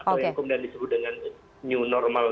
atau yang kemudian disebut dengan new normal